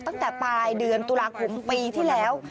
ตั้งแต่ปลายเดือนตุลาคมปีที่แล้ว